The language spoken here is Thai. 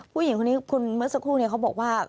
ผู้หญิงคนนี้คุณเมื่อสักครู่เขาบอกว่า